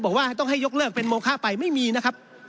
บอกว่าต้องให้ยกเลิกเป็นโมคะไปไม่มีนะครับ